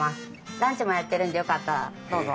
ランチもやってるんでよかったらどうぞ。